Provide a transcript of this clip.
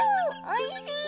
おいしい！